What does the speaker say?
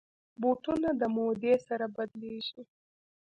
بوټونه د مودې سره بدلېږي.